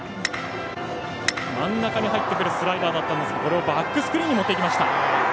真ん中に入ってくるスライダーだったんですがこれをバックスクリーンに持っていきました。